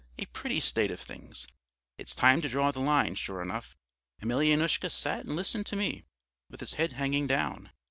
A pretty state of things! It's time to draw the line, sure enough.' Emelyanoushka sat and listened to me with his head hanging down.